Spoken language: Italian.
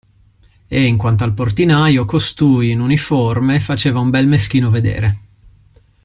E in quanto al portinaio, costui, in uniforme, faceva un bel meschino vedere.